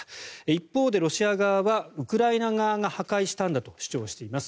一方でロシア側はウクライナ側が破壊したんだと主張しています。